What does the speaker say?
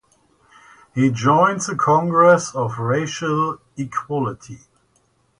He joined the Congress of Racial Equality.